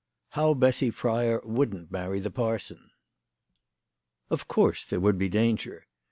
HOW BESSY PRYOR WOULDN'T MARRY THE PARSON. OF course there would be danger.